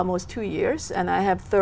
một trường hợp tốt hơn